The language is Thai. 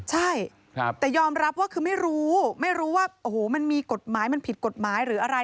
ใช่แต่ยอมรับว่าคือไม่รู้ไม่รู้ว่าโอ้โหมันมีกฎหมายมันผิดกฎหมายหรืออะไร